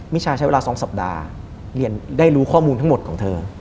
ชาใช้เวลา๒สัปดาห์เรียนได้รู้ข้อมูลทั้งหมดของเธอ